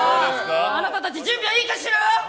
あなたたち、準備はいいかしら？